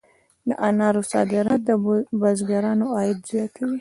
د انارو صادرات د بزګرانو عاید زیاتوي.